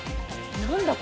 何だ？